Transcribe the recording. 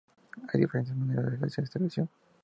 Hay diferentes maneras de realizar esta ilusión.